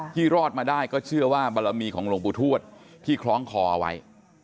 รอดมาได้ก็เชื่อว่าบารมีของหลวงปู่ทวดที่คล้องคอเอาไว้